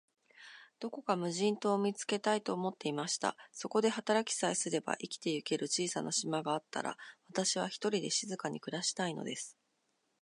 どこか無人島を見つけたい、と思いました。そこで働きさえすれば、生きてゆける小さな島があったら、私は、ひとりで静かに暮したいのです。